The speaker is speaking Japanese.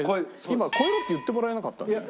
今「超えろ」って言ってもらえなかった。